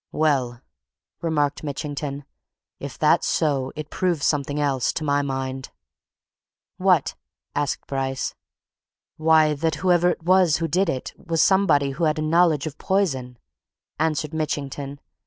"Well," remarked Mitchington, "if that's so, it proves something else to my mind." "What!" asked Bryce. "Why, that whoever it was who did it was somebody who had a knowledge of poison!" answered Mitchington.